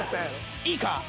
いいか？